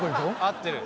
合ってる。